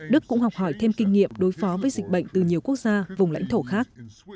đức cũng học hỏi thêm kinh nghiệm đối phó với dịch bệnh từ nhiều quốc gia vùng lãnh thổ khác